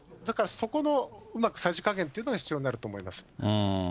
だからそこのうまくさじ加減っていうのが、必要になると思います。